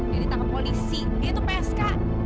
dia ditangkap polisi dia itu psk